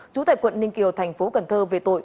chú tại quận ninh kiều tp cn về tội